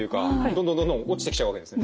どんどんどんどん落ちてきちゃうわけですね。